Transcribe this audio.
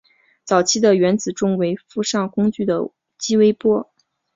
早期的原子钟为附上工具的激微波。